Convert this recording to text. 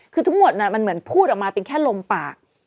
คือทั้งหมดมันเหมือนพูดออกมาเป็นแค่ลมปาก